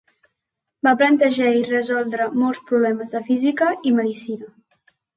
Va plantejar i resoldre molts problemes de física i medicina.